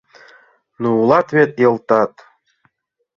— Ну, улат вет, Йылтат...